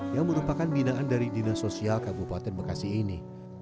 yang merupakan binaan dari dinas sosial kabupaten bekasi ini